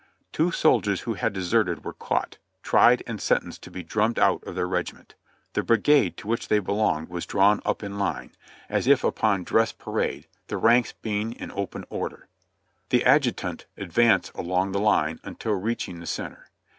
Two soldiers who had deserted were caught, tried and sentenced to be "drummed out" of their regiment. The brigade to which they belonged was drawn up in line, as if upon dress RUNNING THE BLOCK" 1 23 parade the ranks being in open order. The adjutant advanced along the hne until reaching the center.